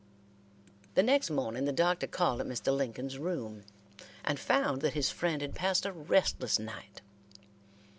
The next morning the doctor called at Mr. Lincoln's room, and found that his friend had passed a restless night.